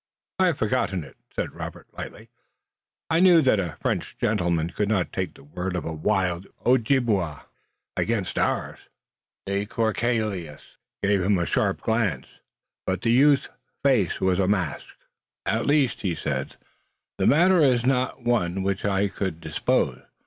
"I have forgotten it," said Robert lightly. "I knew that a French gentleman could not take the word of a wild Ojibway against ours." De Courcelles gave him a sharp glance, but the youth's face was a mask. "At least," he said, "the matter is not one of which I could dispose.